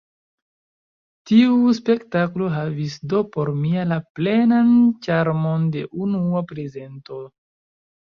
Tiu spektaklo havis do por mi la plenan ĉarmon de unua prezento.